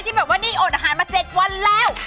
ที่แบบว่านี่อ่อนอาหารมาเจ็กวันแล้ว